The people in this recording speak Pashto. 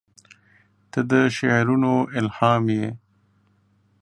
• ته د شعرونو الهام یې.